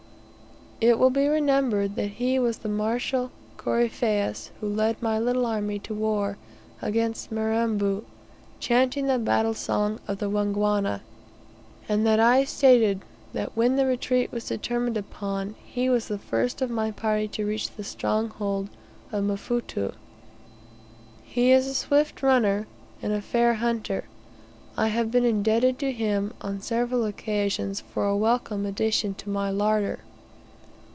It will be remembered that he was the martial coryphaeus who led my little army to war against Mirambo, chanting the battle song of the Wangwana; and that I stated, that when the retreat was determined upon, he was the first of my party to reach the stronghold of Mfuto. He is a swift runner, and a fair hunter. I have been indebted to him on several occasions for a welcome addition to my larder.